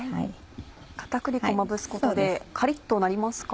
片栗粉まぶすことでカリっとなりますか？